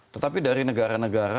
tetapi dari negara negara